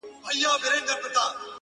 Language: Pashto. • که یې عقل او قوت وي د زمریانو ,